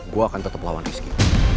gue akan tetap lawan rizky